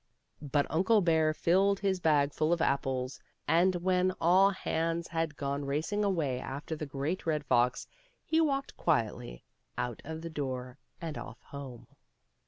But Uncle Bear filled his bag full of apples, and when all hands had gone racing away after the Great Red Fox, he walked quietly out of the door and off home.